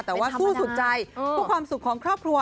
แต่ว่าสู้สุดใจเพื่อความสุขของครอบครัว